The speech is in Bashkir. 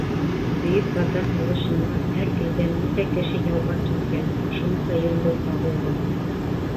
Бөйөк Ватан һуғышына һәр өйҙән нисә кеше яуға киткән, шунса йондоҙ ҡағылған.